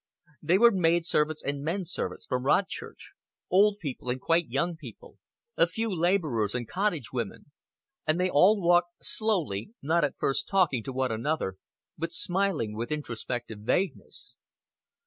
They were maid servants and men servants from Rodchurch, old people and quite young people, a few laborers and cottage women; and they all walked slowly, not at first talking to one another, but smiling with introspective vagueness.